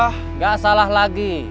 nggak salah lagi